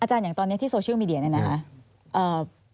อาจารย์อย่างตอนนี้ที่โซเชียลมีเดียนี่นะครับ